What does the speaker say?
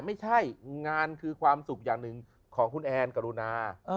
ไม่ใช่งานคือความสุขอย่างหนึ่งของคุณแอนกรุณา